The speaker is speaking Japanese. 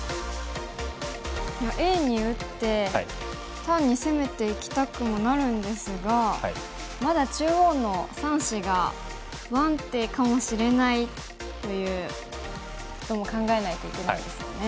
Ａに打って単に攻めていきたくもなるんですがまだ中央の３子が不安定かもしれないということも考えないといけないですよね。